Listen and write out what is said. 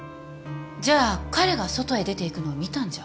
じゃあ彼が外へ出ていくのを見たんじゃ。